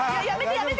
やめて！